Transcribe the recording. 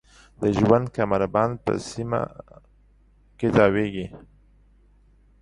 د ژوند کمربند په سیمه کې تاویږي.